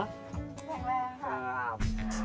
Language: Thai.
แข็งแรงครับ